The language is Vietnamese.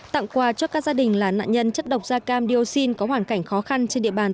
tặng quà cho các gia đình là nạn nhân chất độc da cam dioxin có hoàn cảnh khó khăn trên địa bàn